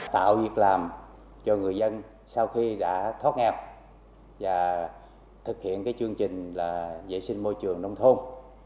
tạo việc làm cho người dân sau khi đã thoát nghèo và thực hiện chương trình là vệ sinh môi trường nông thôn